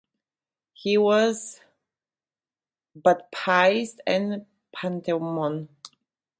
He was baptized as Panteleimon.